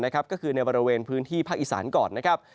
ก็คือในบริเวณพื้นที่ภาคอีสานก่อนนะครับ